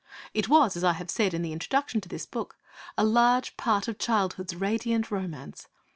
It was, as I have said in the introduction to this book, a large part of childhood's radiant romance!